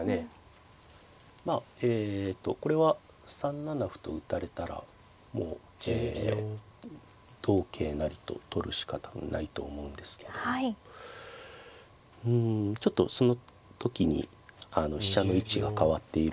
まあえとこれは３七歩と打たれたらもうえ同桂成と取るしか多分ないと思うんですけどうんちょっとその時に飛車の位置が変わっているという。